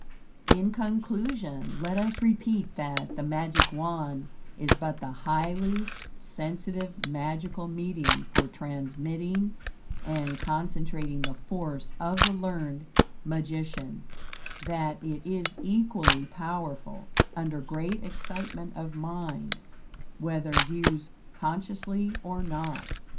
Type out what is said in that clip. In conclusion, let us repeat that, the Magic Wand is but the highly sensitive magical medium for transmitting and concentrating the force of the learned magician; that it is equally powerful under great excitement of mind, WHETHER USED CONSCIOUSLY OR NOT.